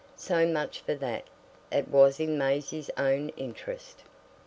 So much for that it was in Maisie's own interest.